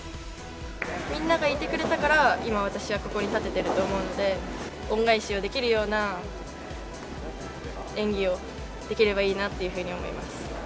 みんながいてくれたから、今、私はここに立ててると思うので、恩返しができるような演技をできればいいなっていうふうに思います。